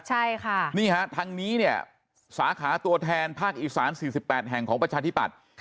ใช่ค่ะนี่ฮะทางนี้เนี่ยสาขาตัวแทนภาคอีสาน๔๘แห่งของประชาธิปัตย์